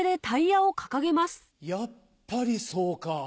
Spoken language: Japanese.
やっぱりそうかぁ。